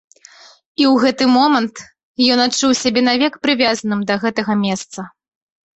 І ў гэты момант ён адчуў сябе навек прывязаным да гэтага месца.